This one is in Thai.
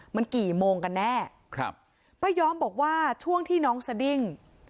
มันกี่โมงกันแน่ครับป้าย้อมบอกว่าช่วงที่น้องสดิ้ง